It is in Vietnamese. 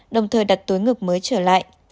đồng thời đặt túi ngực mới trở lại